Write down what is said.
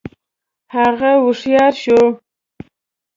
هغه رښتیا شوه.